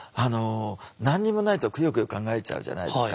何にもないとくよくよ考えちゃうじゃないですか。